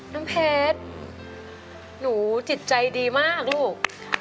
น้ำเพชรหนูจิตใจดีมากลูก